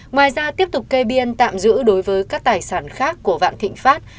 ngoài ra tiếp tục kê biên tạm giữ đối với các tài sản khác của vạn thịnh pháp